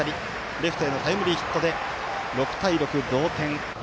レフトへのタイムリーヒットで６対６、同点。